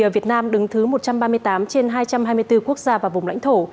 việt nam đứng thứ một trăm ba mươi tám trên hai trăm hai mươi bốn quốc gia và vùng lãnh thổ